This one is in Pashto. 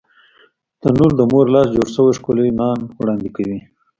تنور د مور لاس جوړ شوی ښکلی نان وړاندې کوي